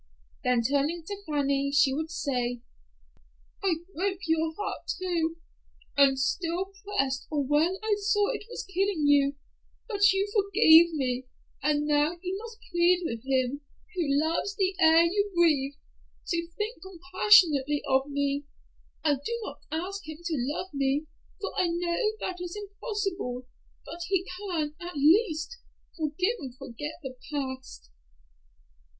Then turning to Fanny she would say, "I broke your heart too, and still pressed on when I saw it was killing you, but you forgave me, and now you must plead with him, who loves the air you breathe, to think compassionately of me. I do not ask him to love me, for I know that is impossible; but he can, at least, forgive and forget the past."